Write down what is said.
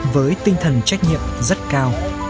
với tinh thần trách nhiệm rất cao